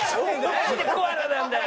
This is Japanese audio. なんでコアラなんだよ。